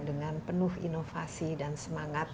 dengan penuh inovasi dan semangat